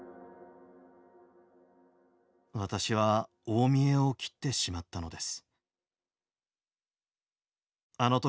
「私は大見えをきってしまったのです」。